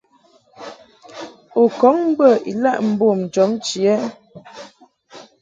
U kɔŋ bə ilaʼ mbom jɔbnchi ɛ ?